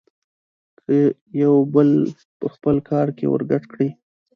که يو بل په خپل کار کې ورګډ کړي.